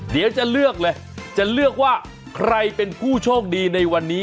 เดี๋ยวจะเลือกเลยจะเลือกว่าใครเป็นผู้โชคดีในวันนี้